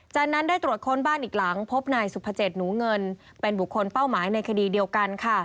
จากนั้นได้ตรวจค้นบ้านอีกหลังพบนายสุภเจ็ดหนูเงินเป็นบุคคลเป้าหมายในคดีเดียวกัน